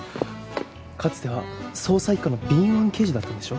かつては捜査一課の敏腕刑事だったんでしょ？